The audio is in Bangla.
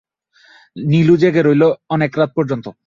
নীলু জেগে রইল অনেক রাত পর্যন্ত।